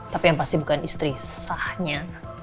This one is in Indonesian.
tapi yang pasti bukan istri sahnya